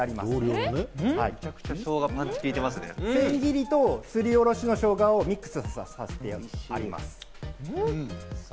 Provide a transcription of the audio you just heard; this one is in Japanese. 千切りのしょうがと、すりおろしのしょうがをミックスさせてあります。